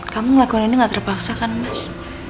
kamu ngelakuin ini gak terpaksa kan mas